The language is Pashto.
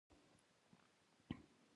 نجلۍ کوټې ته لاړ.